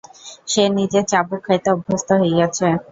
সে নিজে চাবুক খাইতে অভ্যস্ত হইয়াছে।